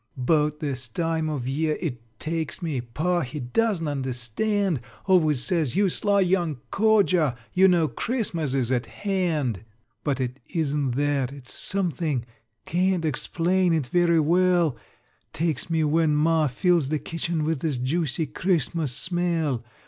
'Bout this time of year it takes me Pa, he doesn't understand, Always says: "You sly young codger, You know Christmas is at hand." But it isn't that, it's something Can't explain it very well Takes me when ma fills the kitchen With this juicy Christmas smell.